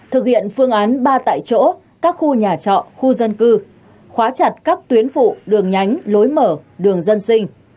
thực hiện phương án ba tại chỗ các khu nhà trọ khu dân cư khóa chặt các tuyến phụ đường nhánh lối mở đường dân sinh